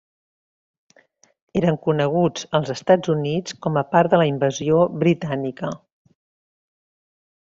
Eren coneguts als Estats Units com a part de la invasió britànica.